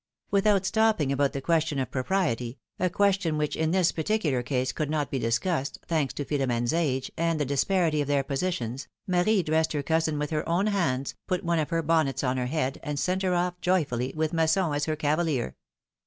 Without stopping about the question of propriety, a question which in this particular case could not be discussed, thanks to Philomene's age, and the disparity of their positions, Marie dressed her cousin with her own hands, put one of her bonnets on her head, and sent her oif joyfully, with Masson as her cavalier.